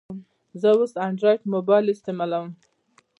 زه اوس انډرایډ موبایل استعمالوم.